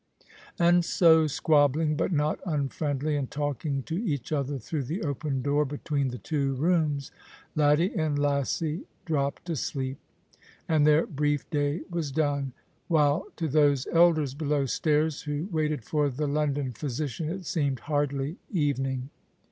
And so, squabbling, but not unfriendly, and talking to each other through the open door between the two rooms. Laddie and Lassie dropped asleej), and their brief day was done ; while to those elders below stairs, who waited for the London physician, it seemed hardly evening.